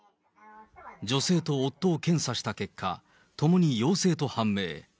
女性と夫を検査した結果、ともに陽性と判明。